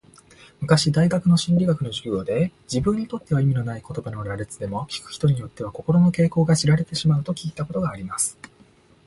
昔大学の心理学の授業で、自分にとっては意味のない言葉の羅列でも、聞く人によっては、心の傾向が知られてしまうと聞いたことがあります。